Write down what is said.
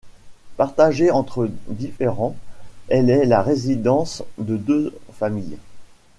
Partagée entre différents, elle est la résidence de deux familles.